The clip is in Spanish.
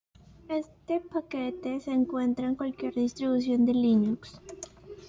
Este paquete se encuentra en cualquier distribución de Linux.